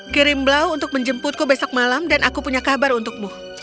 kirim blau untuk menjemputku besok malam dan aku punya kabar untukmu